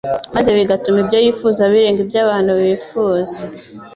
maze bigatuma ibyo yifuza birenga ibyo abantu bifuza.